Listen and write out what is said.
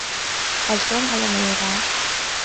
هل توم على ما يرام؟